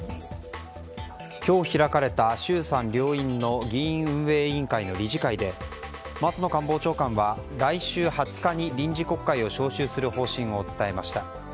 今日開かれた衆参両院の議院運営委員会の理事会で松野官房長官は来週２０日に臨時国会を召集する方針を伝えました。